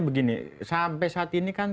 begini sampai saat ini kan